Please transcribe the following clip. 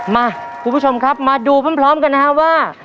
มาคุณผู้ชมครับมาดูพร้อมกันนะฮะว่า